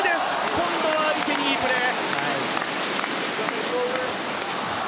今度は相手にいいプレー。